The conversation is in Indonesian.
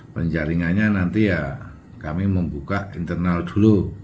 penjaringannya nanti ya kami membuka internal dulu